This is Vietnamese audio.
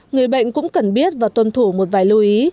người bệnh cũng cần biết và tuân thủ một vài lưu ý